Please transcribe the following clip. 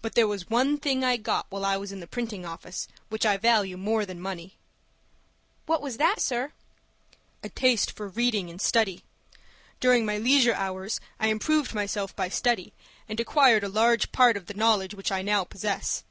But there was one thing I got while I was in the printing office which I value more than money." "What was that, sir?" "A taste for reading and study. During my leisure hours I improved myself by study, and acquired a large part of the knowledge which I now possess.